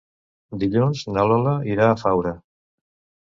Dilluns na Lola irà a Faura.